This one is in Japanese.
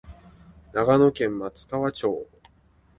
長野県松川町